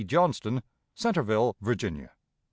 Johnston, Centreville, Virginia.